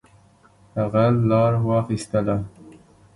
هغه لار واخیستله.